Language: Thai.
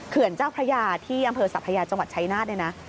เขื่อนเจ้าพญาที่อำเภอสัพพญาจังหวัดชัยนาฏเนี่ยนะ